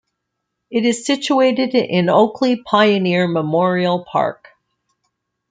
It is situated in Oakleigh Pioneer Memorial Park.